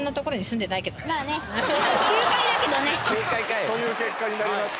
あぁ。という結果になりました。